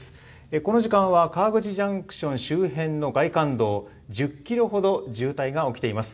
この時間は、川口ジャンクション周辺の外環道１０キロほど渋滞が起きています。